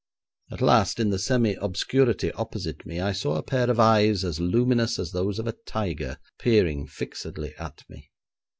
At last, in the semi obscurity opposite me I saw a pair of eyes as luminous as those of a tiger peering fixedly at me.